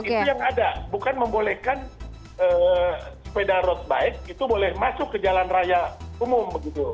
itu yang ada bukan membolehkan sepeda road bike itu boleh masuk ke jalan raya umum begitu